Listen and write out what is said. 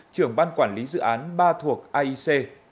trưởng ban quản lý dự án ba thuộc aic